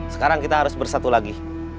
sekarang kita harus bersatu lagi